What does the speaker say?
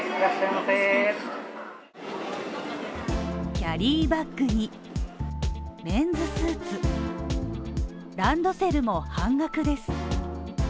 キャリーバッグにメンズスーツ、ランドセルも半額です。